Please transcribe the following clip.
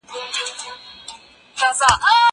زه بايد کتاب وليکم!!